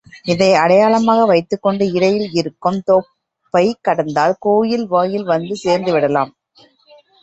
இதை அடையாளமாக வைத்துக்கொண்டு இடையில் இருக்கும் தோப்பைக் கடந்தால் கோயில் வாயில் வந்து சேர்ந்து விடலாம்.